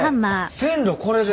線路これで？